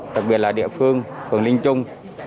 đặc biệt là địa phương phường linh trung